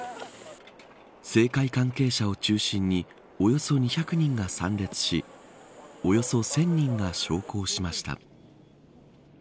政界関係者を中心におよそ２００人が参列しおよそ１０００人が焼香しました。